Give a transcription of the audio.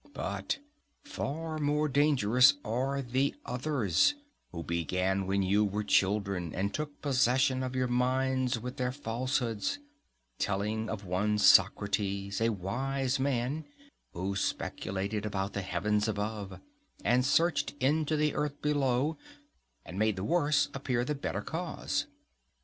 But far more dangerous are the others, who began when you were children, and took possession of your minds with their falsehoods, telling of one Socrates, a wise man, who speculated about the heaven above, and searched into the earth beneath, and made the worse appear the better cause.